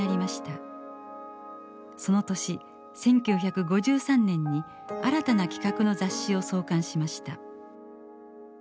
その年１９５３年に新たな企画の雑誌を創刊しました。